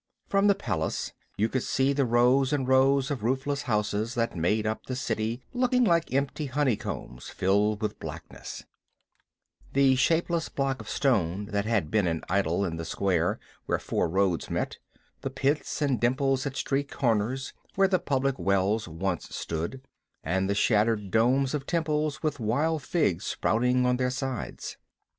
From the palace you could see the rows and rows of roofless houses that made up the city looking like empty honeycombs filled with blackness; the shapeless block of stone that had been an idol in the square where four roads met; the pits and dimples at street corners where the public wells once stood, and the shattered domes of temples with wild figs sprouting on their sides.